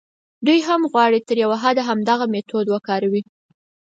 دوی هم غواړي تر یوه حده همدغه میتود وکاروي.